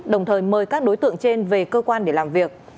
đồng thời mời các đối tượng trên về cơ quan để làm việc